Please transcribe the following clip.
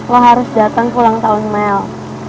lo harus datang ulang tahun mel